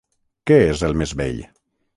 Què és el més bell?